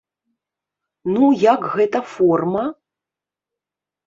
Ну як гэта форма?